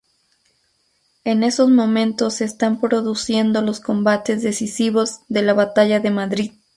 En esos momentos se están produciendo los combates decisivos de la batalla de Madrid.